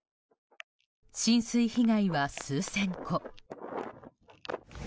浸水被害は数千戸。